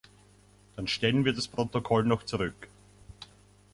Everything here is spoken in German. Dann stellen wir das Protokoll noch zurück.